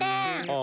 あ。